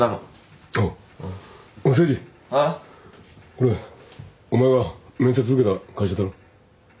これお前が面接受けた会社だろ？